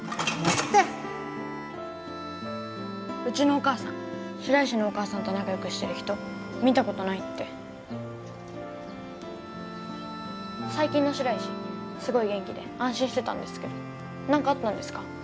うちのお母さん白石のお母さんと仲よくしてる人見たことないって最近の白石すごい元気で安心してたんですけど何かあったんですか？